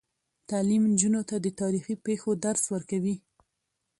تعلیم نجونو ته د تاریخي پیښو درس ورکوي.